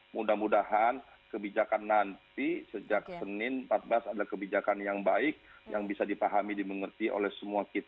mudah mudahan kebijakan nanti sejak senin empat belas adalah kebijakan yang baik yang bisa dipahami dimengerti oleh semua kita